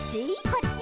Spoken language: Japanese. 「こっち？」